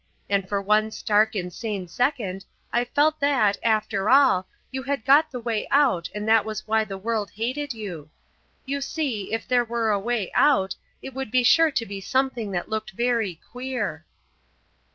And for one stark, insane second, I felt that, after all, you had got the way out and that was why the world hated you. You see, if there were a way out, it would be sure to be something that looked very queer."